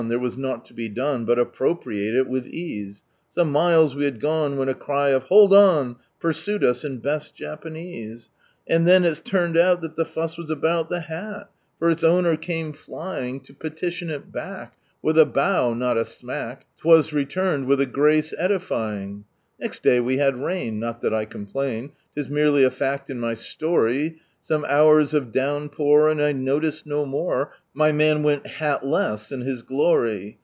There was nought to he done But appropriate il, wilh ease; When a cry o " Hold or Pursued us in best Japan And the That the fuss was about The hat for s owner ca To pel it ion il back. With a bow— not a smack; 'Tv^as returned with a grace edifying. Next day we had rain Not that I complain, 'Tis merely a tact in my story, Some hours of downpour. And I noticed, no more My man went tiatlai in bis glory.